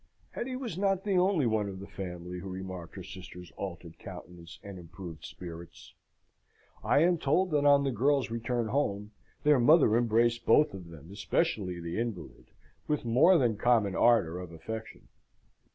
Hetty was not the only one of the family who remarked her sister's altered countenance and improved spirits. I am told that on the girls' return home their mother embraced both of them, especially the invalid, with more than common ardour of affection.